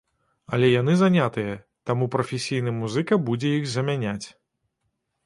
Але яны занятыя, таму прафесійны музыка будзе іх замяняць.